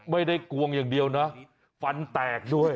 ไม่ได้กรวงอย่างเดียวน่ะฟันแตกด้วย